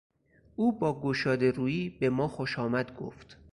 او با گشادهرویی به ما خوشامد گفت.